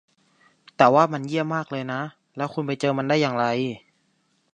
แต่ว่ามันเยี่ยมมากเลยนะ แล้วคุณไปเจอมันได้อย่างไร